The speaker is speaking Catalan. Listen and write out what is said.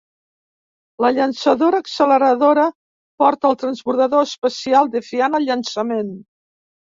La llançadora acceleradora porta el transbordador espacial "Defiant" al llançament.